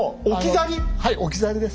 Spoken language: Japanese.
はい置き去りです。